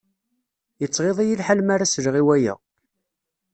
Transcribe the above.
Yettɣiḍ-iyi lḥal mi ara sleɣ i waya.